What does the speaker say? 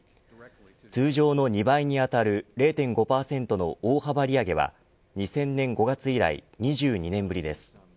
通常の２倍にあたる０．５％の大幅利上げは２０００年５月以来２２年ぶりです。